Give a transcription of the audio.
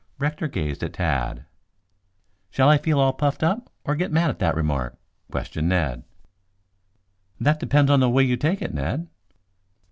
Rector gazed at Tad. "Shall I feel all puffed up or get mad at that remark?" questioned Ned. "That depends upon the way you take it, Ned."